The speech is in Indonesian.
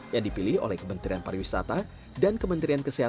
yang dipilih oleh kementerian pariwisata dan kementerian kesehatan